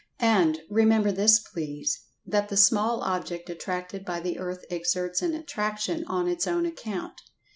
And, remember this please, that the small object attracted by the earth exerts an attraction on its own account.